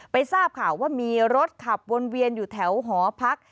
ทราบข่าวว่ามีรถขับวนเวียนอยู่แถวหอพัก